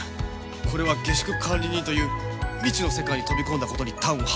これは下宿管理人という未知の世界に飛び込んだ事に端を発する不安感